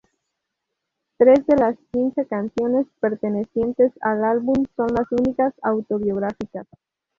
Tres de las quince canciones pertenecientes al álbum son las únicas "autobiográficas".